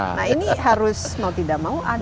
nah ini harus mau tidak mau